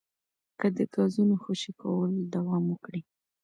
که د ګازونو خوشې کول دوام وکړي